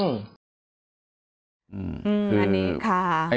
อันนี้ค่ะ